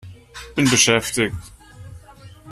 Bin beschäftigt!